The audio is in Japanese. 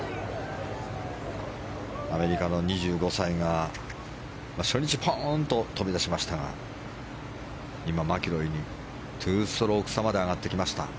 アメリカの２５歳が初日ポーンと飛び出しましたが今、マキロイに２ストローク差まで上がってきました。